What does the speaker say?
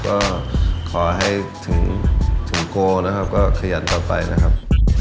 ก็ขอให้ถึงโกนะครับก็ขยันต่อไปนะครับ